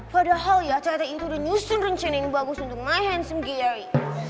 padahal ya tata itu udah nyusun rencana yang bagus untuk nge handsome gary